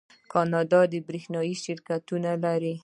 کاناډا د بریښنا شرکتونه لري.